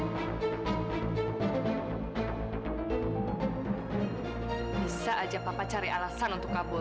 bisa saja papa cari alasan untuk kabur